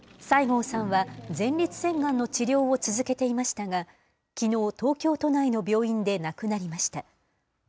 西郷さんは前立腺がんの治療を続けていましたが、きのう、東京都内の病院で亡くなりました。